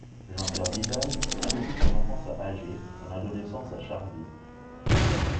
Jean Pierre Vidal a vécu son enfance à Alger, son adolescence à Charleville.